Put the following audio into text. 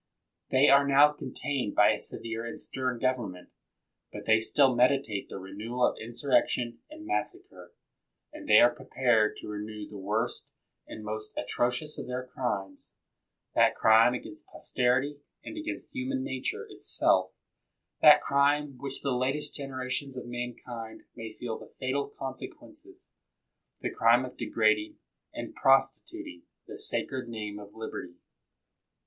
They are now contained by a severe and stern government. But they still meditate the renewal of insurrection and mas sacre ; and they are prepared to renew the worst and most atrocious of their crimes, that crime against posterity and against human nature it self, that crime of which the latest generations of mankind may feel the fatal consequences — the crime of degrading and prostituting the sacred name of liberty.